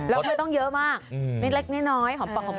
แล้วเธอต้องเยอะมากเล็กน้อยหอมปากหอม